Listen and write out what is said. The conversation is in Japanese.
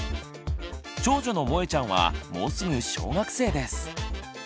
長女のもえちゃんはもうすぐ小学生です。